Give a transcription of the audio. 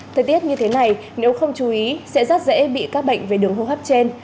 thời tiết như thế này nếu không chú ý sẽ rất dễ bị các bệnh về đường hô hấp trên